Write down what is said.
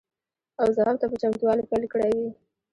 او ځواب ته په چتموالي پیل کړی وي.